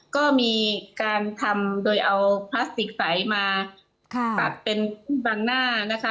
ก็มีการทำโดยเอาพลาสติกใสมาตัดเป็นบางหน้านะคะ